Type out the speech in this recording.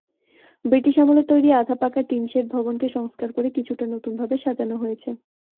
British আমলে তৈরি আধা পাকা টিনশেড ভবনকে সংস্কার করে কিছুটা নতুনভাবে সাজানো হয়েছে।